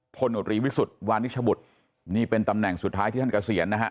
โนรีวิสุทธิ์วานิชบุตรนี่เป็นตำแหน่งสุดท้ายที่ท่านเกษียณนะฮะ